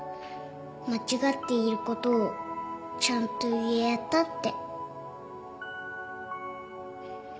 間違っていることをちゃんと言えたって。